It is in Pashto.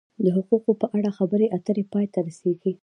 د حقوقو په اړه خبرې اترې پای ته رسیږي.